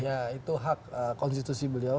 ya itu hak konstitusi beliau